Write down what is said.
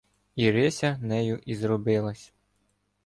Ірися нею ізробилась